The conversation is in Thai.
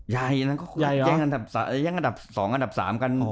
ใหญ่ย่างอันดับ๒อันดับ๓กัน